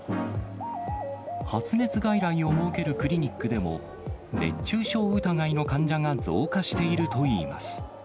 発熱外来を設けるクリニックでも、熱中症疑いの患者が増加しているといいます。